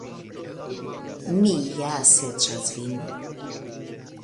Mi ja serĉas vin.